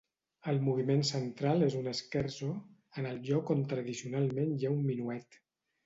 El moviment central és un scherzo en el lloc on tradicional hi ha un minuet.